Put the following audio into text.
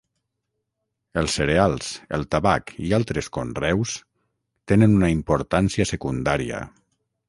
Els cereals, el tabac i altres conreus, tenen una importància secundària.